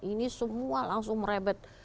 ini semua langsung merebet